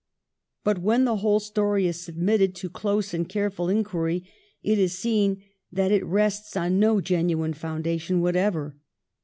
But when the whole story is submitted to close and careful inquiry, it is seen that it rests on no genuine foundation whatever.